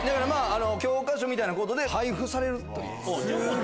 教科書みたいなことで配布されるという。